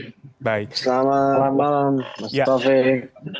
selamat malam mas taufik